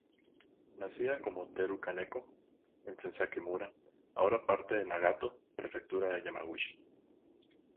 Nacida como Teru Kaneko en Senzaki-mura, ahora parte de Nagato, Prefectura de Yamaguchi.